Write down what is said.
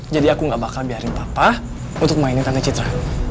jadi aku gak bakal biarin papa untuk mainin tante citra